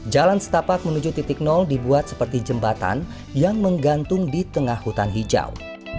jalan setapak menuju titik nol dibuat seperti jembatan yang menggantung di tengah hutan hijau